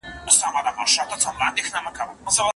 د تور مار له لاسه ډېر دي په ماتم کي